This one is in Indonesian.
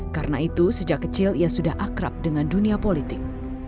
karena itu sejak kecil ia sudah akrab dengan dunia politik